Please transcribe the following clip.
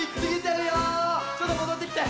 ちょっともどってきて。